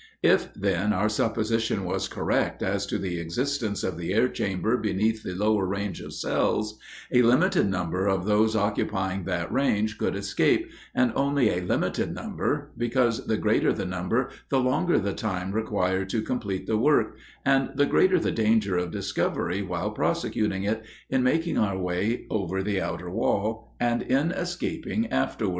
If, then, our supposition was correct as to the existence of the air chamber beneath the lower range of cells, a limited number of those occupying that range could escape, and only a limited number, because the greater the number the longer the time required to complete the work, and the greater the danger of discovery while prosecuting it, in making our way over the outer wall, and in escaping afterward.